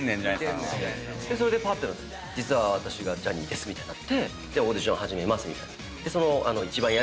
それでぱって「実は私がジャニーです」みたいになって「オーディション始めます」みたいな。